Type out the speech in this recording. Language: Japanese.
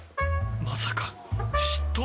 まさか嫉妬？